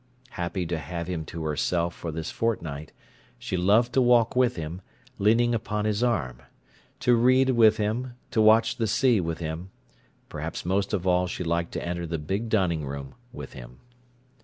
Happy to have him to herself for this fortnight, she loved to walk with him, leaning upon his arm, to read with him, to watch the sea with him—perhaps most of all she liked to enter the big dining room with him.